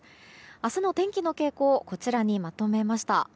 明日の天気の傾向をこちらにまとめました。